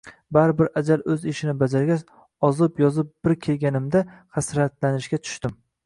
Baribir ajal o`z ishini bajargach, ozib-yozib bir kelganimda hasratlanishga tushdim